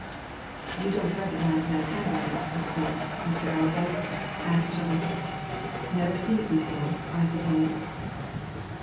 "You don't recognize that handwriting, of course, Mr. Allerdyke?" asked Chettle. "Never seen it before, I suppose?"